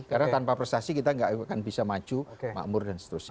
karena tanpa prestasi kita tidak akan bisa maju makmur dan seterusnya